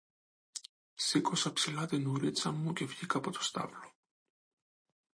Σήκωσα ψηλά την ουρίτσα μου και βγήκα από το στάβλο.